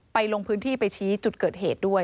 ลงพื้นที่ไปชี้จุดเกิดเหตุด้วย